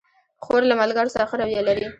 خور له ملګرو سره ښه رویه لري.